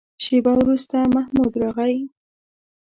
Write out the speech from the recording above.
شېبه وروسته محمود راغی.